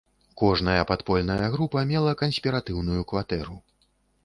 Кожная падпольная група мела канспіратыўную кватэру.